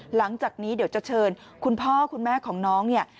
หลังจากนี้เดี๋ยวจะเชิญคุณพ่อคุณแม่ของน้องเนี่ย